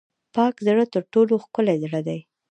پاک زړه تر ټولو ښکلی زړه دی.